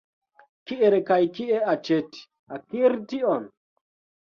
Kiel kaj kie aĉeti, akiri tion?